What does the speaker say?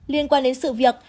liên quan đến sự việc